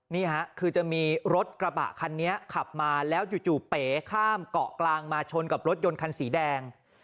นี่ค่ะคือจะมีรถกระบะคันนี้ขับมาแล้วจู่เป๋ข้ามเกาะกลางมาชนกับรถยนต์คันสีแดง